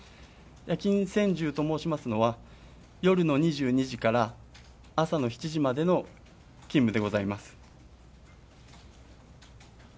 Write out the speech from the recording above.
夜勤専従と申しますのは夜の２２時から朝の７時までの勤務でございます。